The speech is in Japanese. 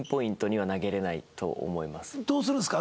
どうするんですか？